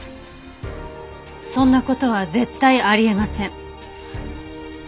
そんな事は絶対あり得ません。